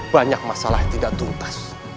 banyak masalah yang tidak tuntas